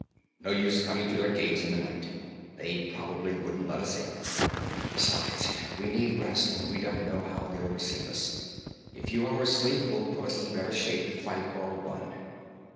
No use coming to their gates in the night. They probably wouldn't let us in. Besides, we need rest, and we don't know how they'll receive us. A few hours' sleep will put us in better shape to fight or run."